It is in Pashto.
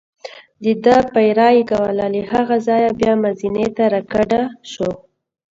دده پیره یې کوله، له هغه ځایه بیا مزینې ته را کډه شو.